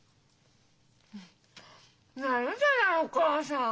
やるじゃないお母さん！